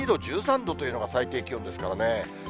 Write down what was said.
１２度、１３度というのが最低気温ですからね。